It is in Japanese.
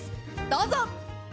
どうぞ。